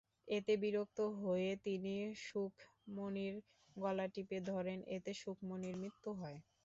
এতে বিরক্ত হয়ে তিনি সুখমণির গলা টিপে ধরেন, এতে সুখমণির মৃত্যু হয়।